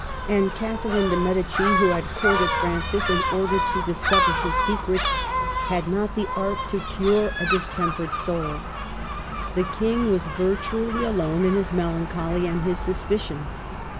And Cath erine dei Medici, who had courted Francis in order to discover his secrets, had not the art to cure a distempered soul. The King was virtu ally alone in his melancholy and his suspicion.